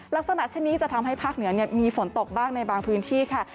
ลักษณะเช่นนี้จะทำให้ภาคเหนือมีฝนตกบ้างในบางพื้นที่ค่ะ